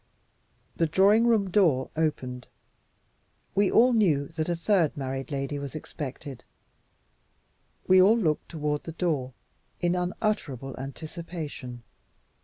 The drawing room door opened. We all knew that a third married lady was expected; we all looked toward the door in unutterable anticipation.